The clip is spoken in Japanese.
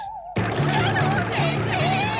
斜堂先生！